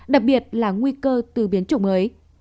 đặc biệt là nguy cơ từ biến chủng mới